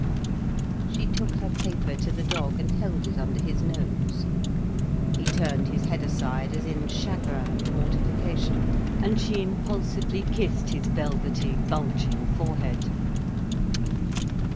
She took her paper to the dog, and held it under his nose. He turned his head aside as in chagrin and mortification, and she impulsively kissed his velvety bulging forehead.